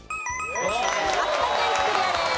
秋田県クリアです。